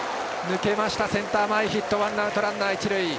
抜けました、センター前ヒットワンアウトランナー、一塁。